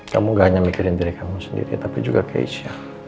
kamu gak hanya mikirin diri kamu sendiri tapi juga keisha